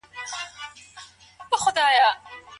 صحابي کوم ډول بالښت يا توشکه رانيولې وه؟